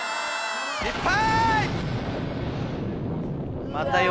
失敗！